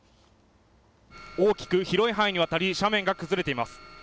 大きく広い範囲にわたり、斜面が崩れています。